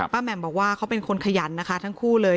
แหม่มบอกว่าเขาเป็นคนขยันนะคะทั้งคู่เลย